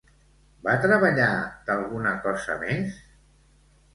Va treballar d'alguna cosa més?